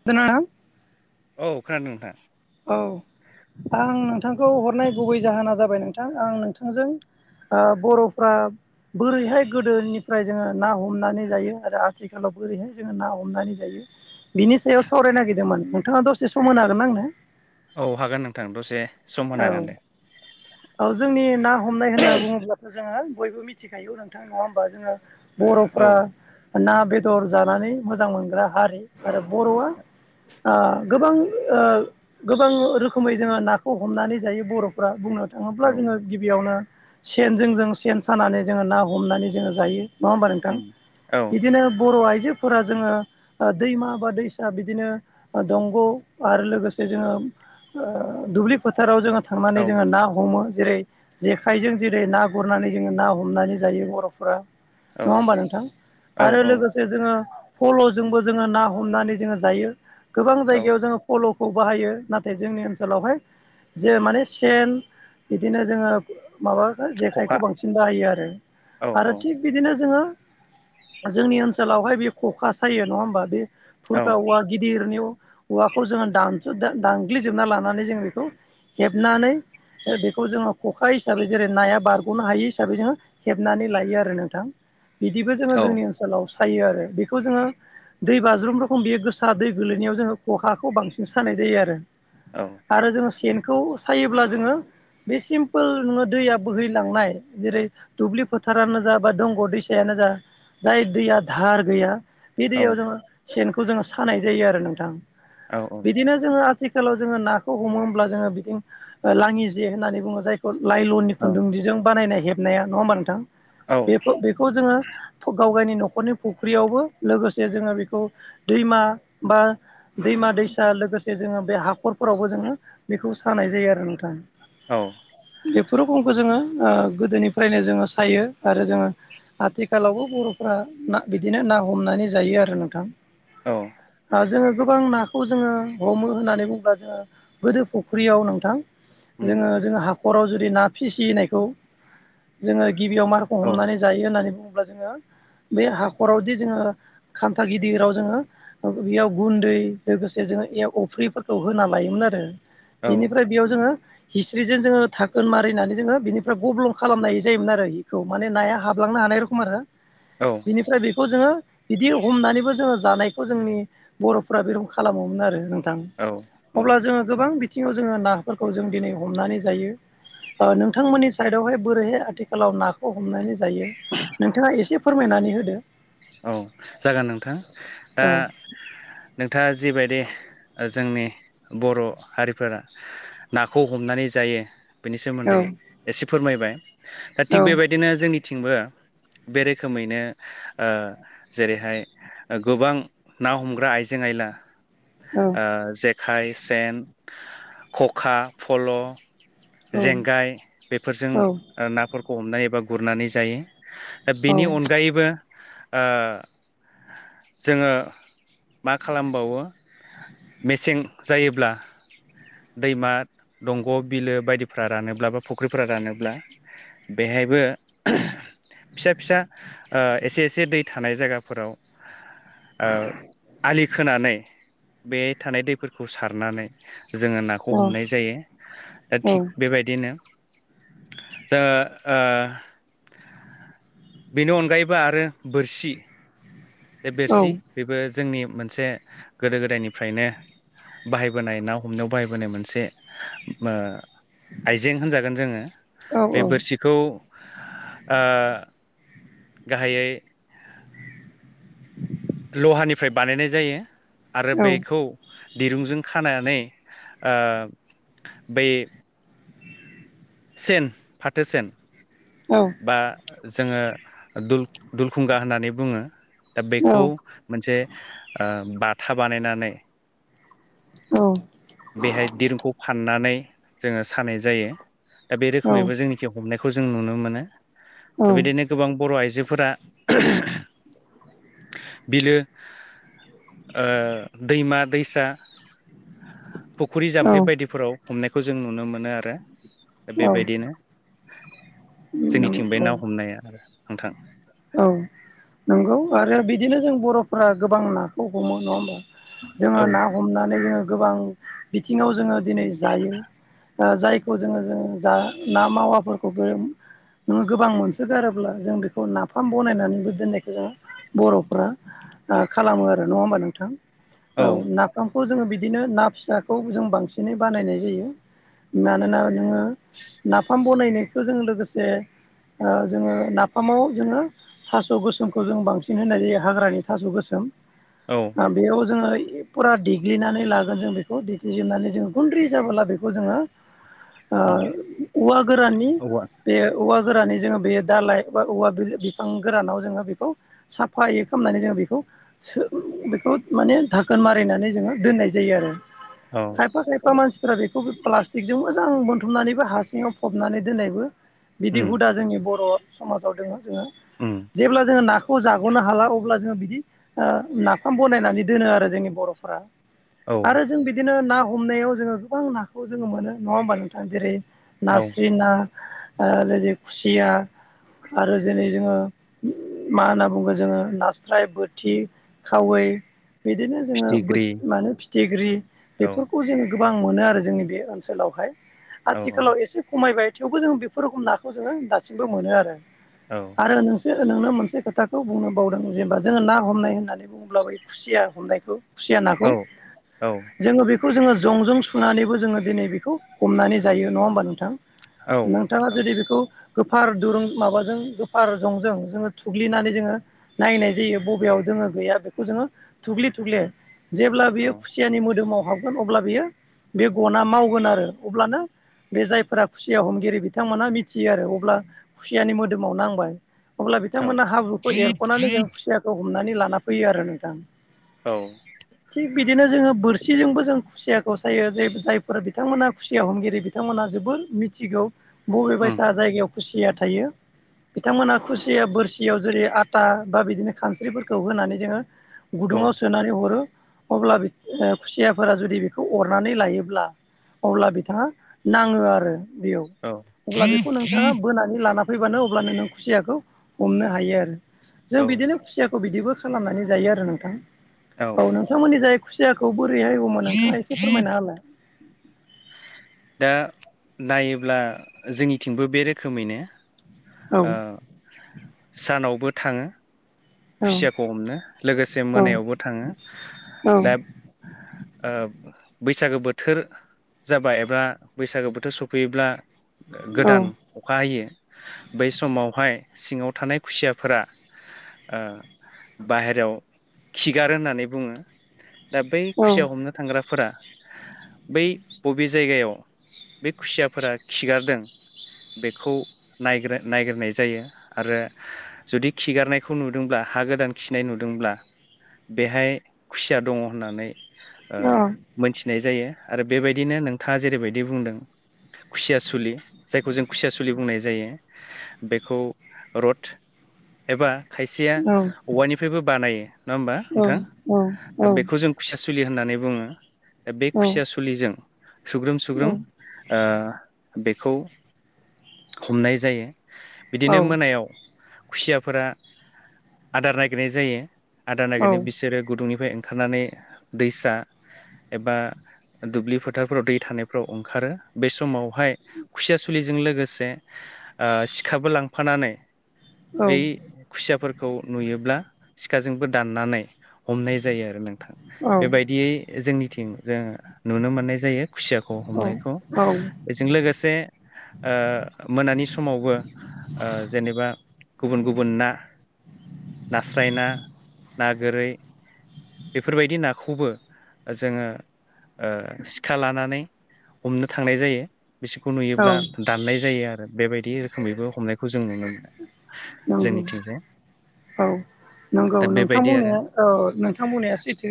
[unintelligible] औ खोनादों नोंथां। औ आं नोंथांखौ हरनाय गुबै जाहोना जाबाय नोंथां आं नोंथांजों ओ बर'फ्रा बोरैहाय गोदोनिफ्राय जोङो ना हमनानै जायो आरो आथि आथिखालाव बोरैहाय जोङो ना हमनानै जायो बिनि सायाव सावरायनो नागिरदोंमोन नोंथाङा दसे सम होनो हागोन आंनो औ हागोन नोंथां दसे। सम होनो औ हागोन दे औ जोंनि ना हमनाय होनना बुङोब्लाथ' जोङो बयबो मिथि [unintelligible] नोंथां नङा होनोमबा जोंङो औ बर'फ्रा ना बेदर जानानै मोजां मोनग्रा हारि आरो बर'आ गोबां गोबां रोखोमै जोङो नाखौ हमनानै जायो बर' फोरा बुंनो थाङोब्ला औ जोङो गिबियावनो सेनजों जों सेन सानानै जोङो ना हमनानै जोङो जायो नङा होमबा नोंथां उम औ बिदिनो बर' आइजोफोरा जोङो ओ दैमा बा दैसा बिदिनो दंग' आरो लोगोसे जोङो ओ दुब्लि फोथाराव जोङो औ थांनानै जोङो ना हमो जेरै जेखाइजों जेरै ना गुरनानै जोङो ना हमनानै जायो बर'फोरा औ नङा होमबा नोंथां औ आरो औ लोगोसे जोंङो फल'जोंबो जोंङो ना हमनानै जोंङो जायो गोबां औ जायगायाव जोंङो फल'खौ बाहायो नाथाय जोंनि ओनसोलावहाय जे माने सेन बिदिनो जोङो माबाखौ खखा जेखाइखौ बांसिन बाहायो आरो। औ आरो औ थिग बिदिनो जोङो जोंनि ओनसोलावहाय बे ख'खा सायो नङा होनबा बे औ खुरखा औवा गिदिरनि औवाखौ जोंङो दान दानग्लिजोबना लानानै जोंङो बे खौ हेबनानै बेखौ जोङो खखा हिसाबै जेरै नाया बारग'नो हायि हिसाबै जोङो हेबनानै लायो आरो नोंथां। बिदिबो जोङो औ जोंनि ओनसोल सायो आरो बेखौ जोंङो दै बाज्रुम रखोम बेयो गोसा दै गोलैनायाव जोंङो खखाखौ बांसिन सानाय जायो आरो औ आरो जोङो सेनखौ सायोब्ला जोङो बे सिम्पोल नो दैया बोहैलांनाय जेरै दुब्लि फोथारानो जा बा दंग' दैसायानो जा जाय दैया धाहार गैया बे औ दैयाव जोङो सेनखौ जोङो सानाय जायो आरो नोंथां। औ बिदिनो जोङो आथिखालाव जोङो नाखौ हमो होमब्ला जोङो बिथिं लाङि जे होननानै बुङो जायखौ लाइलननि खुन्दुंदिजों बानायनाय हेब नाया नङा ओनबा नोथां बे-बेखौ जोङो गाव गायनि न'खरनि फुख्रियावबो लोगोसे जोङो बेखौ दैमा बा दैमा श-दैसा लोगोसे जोङो बे हाखरफोरावबो जोङो बेखौ सानाय जायो आरो नोंथां। औ बेफोर रोखोमखौ जोङो गोदोनिफ्रायनो जोङो सायो आरो जोङो आथिखालावबो बर'फ्रा ना बिदिनो ना हमनानै जायो आरो नोंथां। दा जोङो गोबां नाखौ जोङो हमो होननानै बुङोब्ला जोङो गोदो फुख्रियाव नोंथां उम जोङो-जोङो हा खराव जुदि ना फिसिनायखौ जोङो गिबियाव मारमखौ औ हमनानै जायो होननानै बुङोब्ला जोङो बे हाखरावदि जोङो खान्था गिदिराव जोङो बेयाव गुन्दै लोगोसे जोङो बे अफ्रिफोरखौ होना लायोमोन आरो। औ बेनिफ्राय बेयाव जोङो हिस्ट्रिजों जोङो थाखोन मारिनानै जोङो बिनिफ्राय गब्लम खालामनाय जायोमोन आरो बेखौ माने नाया हाबलांनो हानाय रखम आरो। औ बिनिफ्राय बेखौ जोङो बिदि हमनानैबो जोङो जानायखौ जोंनि बर'फोरा बे रख खालामोमोन आरो नोंथां। औ औ अब्ला जोङो गोबां बिथिङाव जोङो नाफोरखौ जों दिनै हमनानै जायो। नोंथांमोननि साइदआवहाय बोरैहाय आथिखालाव नाखौ खौ हमनानै जायो नोंथाङा एसे फोरमायनानै होदो औ जागोन नोंथां दा औ नोंथाङा जिबायदि ओ जोंनि बर' हारिफोरा नाखौ हमनानै जायो। बेनि औ सोमोन्दै एसे फोरमायबाय दा औ थिग बेबायदिनो जोंनि थिंबो बे रोखोमैनो ओ जेरैहाय ओ गोबां ना हमग्रा आइजें आइला औ ओ जेखाय, सेन, खखा, फल' औ जेंगाय बेफोरजों औ ओ नाफोरखौ हमनानै एबा गुरनानै जायो। दा औ बेनि अनगायैबो ओ जोङो मा खालामबावो मेसें जायोब्ला दैमा दंग' बिलो बायदिफोरा रानोब्ला बा फुख्रिफोरा रानोब्ला बेहायबो फिसा फिसा ओ एसे एसे दै थानाय जायगाफोराव ओ‌ आलि खोनानै बे थानाय दैफोरखौ सारनानै जोङो औ नाखौ हमनाय जायो। दा औ थिग बेबायदिनो जोङो ओ बेनि अनगायैबो आरो बोरसि बे बेरसि बेबो जोंनि मोनसे गोदो गोदायनिफ्रायनो बाहायबोनाय ना हमनायाव बाहायबोनाय मोनसे ओ आइजें होनजागोन जोङो। बे बोरसिखौ ओ गाहाइयै लहानिफ्राय बानायनाय जायो आरो बेखौ दिरुंजों खानानै ओ बै सेन फाथो सेन औ। बा जोङो दुल-दुलखुंगा होननानै बुङो। दा बेखौ मोनसे ओ बाथा बानायनानै औ। बेहाय दिरुंखौ फाननानै जोङो सानाय जायो। दा बे रोखोमैबो जोंनि हमनायखौ जों नुनो मोनो। दा बिदिनो गोबां बर' आइजोफोरा [unintelligible] बिलो ओ दैमा दैसा फुख्रि जाम्फै बायदिफोराव हमनायखौ जों नुनो मोनो आरो। दा बेबायदिनो जोंनिथिं बे औ ना हमनाया नोंथां। औ नंगौ आरो बिदिनो जों बर'फोरा गोबां नाखौ हमो नङा होमबा? जोङो ना औ हमनानै जोङो गोबां बिथिङाव जोङो दिनै जायो। ओ जायखौ जोङो जों जा ना मावाफोरखौबो नोङो गोबां मोनसो गारोब्ला जों बेखौ नाफा नाफाम बनायनानैबो दोननायखौ जों बर'फ्रा खालामो आरो नङा होमबा नोंथां? औ नाफामखौ जोङो बिदिनो ना फिसाखौ जों बांसिनै बानायनाय जायो। मानोना नोङो नाफाम बनायनायखौ जों लोगोसे ओ जोङो नाफामाव जोङो थास' गोसोमखौ जों बांसिन होननाय जायो, हाग्रानि थास' गोसोम। औ। बेयाव जोङो फुरा देग्लिनानै लागोन जों। बेखौ देग्लिजोबनानै जोङो गुन्द्रि जाबोला बेखौ जोङो [inaudible] उम ओ औवा गोराननि औवा बे औवा गोरानै जोङो बे दालाय बा औवा बि ओ गोरानाव जोङो बेखौ साफायै खालामनानै जोङो बेखौ सो ओ बेखौ माने थाखोन मारिनानै जोङो दोननाय जायो आरो। औ खायफा खायफा मानसि फोरा बेखौ प्लास्टिकजों मोजां बोनथुमनानैबो हासिङाव फबनानै दोननायबो बिदि उम हुदा जोंनि बर' समाजाव दोङो जोङो उम जेब्ला जोङो नाखौ जाग'नो हाला अब्ला जोङो बिदि ओ नाफाम बनायनानै दोनो आरो जोंनि बर'फोरा औ आरो जों बि दिनो ना हमनायाव जोङो गोबां नाखौ जोङो मोनो नङा ओमबा नोंथाङा जेरै औ नास्रि ना आरो जे खुसिया आरो जेरै जोङो मा होनना बुंगोन जोङो नास्राय बोथि खावै बिदिनो जोङो बोत फिथिग्रि मानो फिथिख्रि औ बेफोरखौ जों गोबां मोनो आरो जोंनि बे ओनसोलावहाय औ आथिखालाव एसे खमायबाय। थेवबो जों बेफोर रोखोम नाखौ जोङो दासिमबो मोनो आरो। औ आरो नों जोहो नोंनो मोनसे खोथाखौ बुंनो बावदों जेनबा जोङो ना हमनाय होननानै बुङोब्लाबो खुसिया हमनायखौ खुसिया नाखौ औ औ जोङो बेखौ जोङो जंजों सुनानैबो जोङो दिनै बेखौ हमनानै जायो नङा ओमबा नोंथां। नोंथाङा औ औ उम औ जुदि बेखौ गोफार दुरुं माबाजों गोफार जंजों जोङो थुग्लिनानै जोङो नायनाय जायो बबेयाव जोङो गैया बेखौ जोङो थुगले थुगले जेब्ला औ बियो खुसियानि मोदोमाव हाबगोन अब्ला बियो बे गना मावगोन आरो अब्लानो बे जायफोरा खुसिया हमगिरि बिथांमोनहा मिथियो आरो अब्ला खुसियानि मोदोमाव नांबाय अब्ला औ बिथांमोना हाब्रुखौ एरख'नानै जों खुसियाखौ हमनानै लाना फैयो आरो नोंथां। औ थिग बिदिनो जोङो बोरसिजोंबो जों खुसियाखौ सायो जे जायफोर बिथांमोना खुसिया हमगिरि बिथांमोना जोबोर मिथिगौ। बबे बायसा जायगायाव खुसिया थायो। बिथांमोना खुसिया बोरसियाव जेरै आटा बा बिदिनो खानस्रिफोरखौ होनानै जोङो गुदुङाव सोनानै हरो अब्ला खुसियाफोरा जुदि बेखौ अरनानै लायोब्ला अब्ला बिथाङा नाङो आरो बेयाव अब्ला बेखौ नोंथाङा बोनानै लाना फैबानो अब्लानो नों खुसियाखौ हमनो हायो आरो जों बिदिनो खुसिया खौ बिदिबो खालामनानै जायो आरो नोंथां औ नोंथांमोननि जाय खुसियाखौ बोरैहाय हमो नोंथाङा एसे फोरमायना होलाय दा नायोब्ला जोंनिथिंबो बे रोखोमैनो औ ओ सानावबो थाङो औ खुसियाखौ हमनो लोगोसे मोनायावबो थाङो औ दा ओ बैसागो बोथोर जाबाय एबा बैसागो बोथोर सफैयोब्ला औ गोदान अखा हायो बै समावहाय सिङाव थानाय खुसियाफोरा ओ बाहेरायाव खिगार होननानै बुङो दा बै औ खुसिया हमनो थांग्राफोरा बै बबे जायगायाव बे खुसियाफोरा खिगारदों बेखौ नायग्रोनाय जायो आरो जुदि खिगारनाय खौ नुदोंब्ला हा गोदान खिनाय नुदोंब्ला बेहाय खुसिया दङ होननानै ओ औ मोनथिनाय जायो आरो बेबायदिनो नोंथाङा जेरैबायदि बुंदों खुसिया सुलि जायखौ जों खुसिया सुलि बुंनाय जायो। बेखौ रड एबा खायसेया औ औवानिफ्रायबो बानायो। नङा ओमबा औ नोंथां दा बेखौ जों खुसिया सुलि होननानै बुङो दा बे खुसिया सुलिजों सुग्रोम सुग्रोम ओ बेखौ हमनाय जायो। बिदिनो मोनायाव खुसियाफोरा आदार नागिरनाय जायो आदार नागिरननै बिसोरो गुदुंनिफ्राय ओंखारनानै दैसा एबा दुब्लि फोथारफोराव दै थानायफ्राव ओंखारो बे समाव हाय खुसिया सुलिजों लोगोसे ओ सिखाबो लांफानानै औ खुसियाफोरखौ नुयोब्ला सिखाजोंबो दाननानै हमनाय जायो आरो नोंथां बेबायदियै जोंनिथिं जो नुनो मोननाय जायो खुसियाखौ हमनायखौ औ बेजों लोगोसे ओ मोनानि समावबो ओ जेनेबा गुबुन गुबुन ना नास्राय ना ना गोरै बेफोरबायदि नाखौबो जोङो ओ सिखा लानानै हमनो थांनाय जायो बिसोरखौ औ नुयोब्ला दाननाय जायो आरो बेबायदि रोखोमैबो हमनायखौ जों नुनो मोनो नंगौ जोंनिथिंहाय औ नंगौ नोंथां औ नोंथां बुंनाया सैथो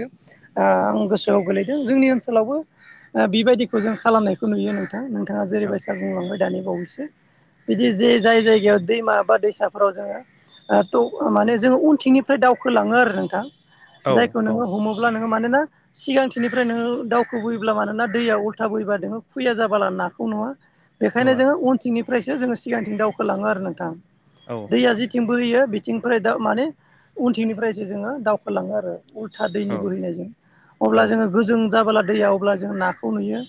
आं गोसो औ गोलैदों जोंनि ओनसोलावबो बेबायदिखौ जों खालामनायखौ नुयो नों नोंथाङा औ जेरैबायसा बुंलांबाय दानि बावैसो बिदि जे जाय जायगायाव दैमा बा दैसा फोराव जोङो ओ थ माने जोङो उनथिंनिफ्राय दावखोलाङो आरो नोंथां औ जायखौ नोङो औ हमोब्ला नोङो मानोना सिगांथिनिफ्राय नोङो दावउखो बोयोब्ला मानोना दैया उल्था बोयोबब्ला नोङो खुया जाबला नाखौ नुवा बेखायनो नुवा जोङो उनथिंनिफ्रायसो जोङो सिगांथिं दावखोलाङो आरो नोंथां औ दैया जिथिं बोहैयो बि थिंनिफ्राय दा माने उनथिंनिफ्रायसो जोङो दावखलाङो आरो उल्था औ दैनि बोहैनायजों औ अब्ला जोङो गोजों जाबोला दैया अब्ला जों नाखौ नुयो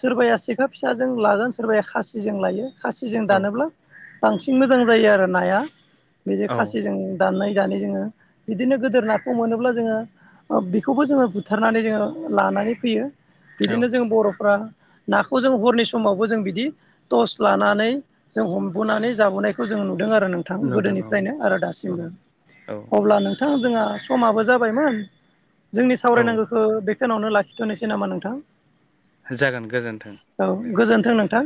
सोरबाया सेखा फिसाजों लागोन सोरबाया खासिजों लायो खासिजों औ दानोब्ला बांसिन मोजां जायो आरो नाया बेजों औ खासिजों दाननाय दानै जोङो बिदिनो गोदोर नाखौ मोनोब्ला जोङो बेखौबो जोङो बुथारनानै जोङो लानानै फैयो औ बिदिनो जों बर'फ्रा नाखौ जों हरनि समावबो जों बिदि टर्स लानानै जों हमबोनानै जाबोनायखौ जों नुदों आरो नों थां नुदों औ गोदोनिफ्रायनो आरो औ दासिमबो औ अब्ला नोंथ बिथां जोंहा समाबो जाबायमोन जोंनि औ सावरायनांगौखौ बे खोनावनो लाखिथ'नोसै नामा नोंथां? जागोन गोजोन्थों औ दे गोजोनथों नोंथां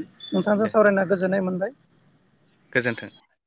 दे नोंथांजों सावरायना गोजोननाय मोनबाय गोजोन्थों।